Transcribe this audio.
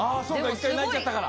１回泣いちゃったから。